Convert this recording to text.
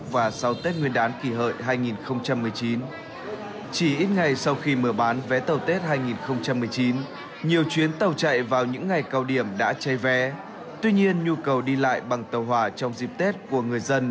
và đến nay đã hai tháng thực hiện cơ bản việc bàn vé đã được hoàn thành